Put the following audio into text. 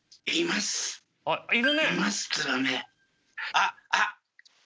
あっあっ。